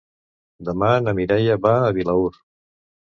Demà na Mireia va a Vilaür.